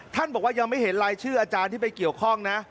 บอกว่ายังไม่เห็นรายชื่ออาจารย์ที่ไปเกี่ยวข้องนะ